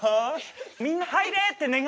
みんな「入れ！」って願って。